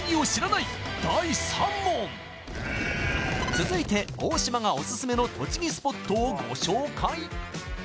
続いて大島がオススメの栃木スポットをご紹介